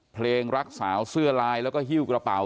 เพลงรักสาวเสื้อลายแล้วก็ฮิ้วกระเป๋า